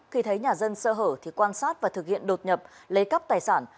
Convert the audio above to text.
khi thấy nhà dân sơ hở thì quan sát và thực hiện đột nhập lấy cắp tài sản